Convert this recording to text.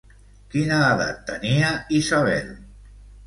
Quina edat tenia Isabel?